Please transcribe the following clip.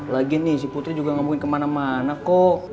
lagi nih si putri juga ngomongin kemana mana kok